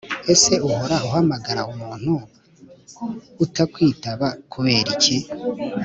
ese uhora uhamagra umuntu utakwitaba kuberiki?